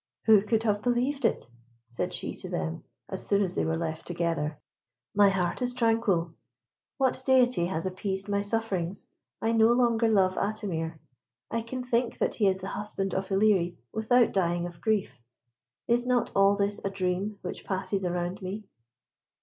"Who could have believed it?" said she to them, as soon as they were left together, "my heart is tranquil. What deity has appeased my sufferings? I no longer love Atimir. I can think that he is the husband of Ilerie without dying of grief. Is not all this a dream which passes around me?